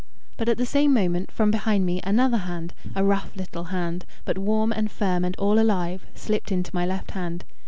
But at the same moment, from behind me another hand, a rough little hand, but warm and firm and all alive, slipped into my left hand.